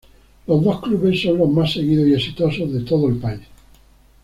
Los dos clubes son los más seguidos y exitosos de todo el país.